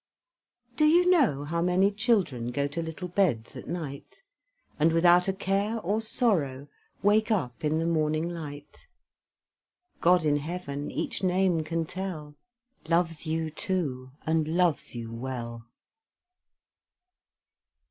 Do you know how many children Go to little beds at night, And without a care or sorrow, Wake up in the morning light? God in heaven each name can tell, Loves you, too, and loves you well.